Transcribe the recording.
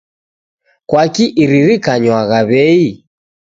Kwaki iririkanywagha wei.